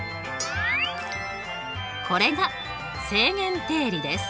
これが正弦定理です。